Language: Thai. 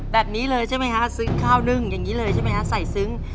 แบบนี้เลยใช่ไหมคะซึ้งข้าวนึ่งอย่างนี้เลยใช่ไหมฮะใส่ซึ้ง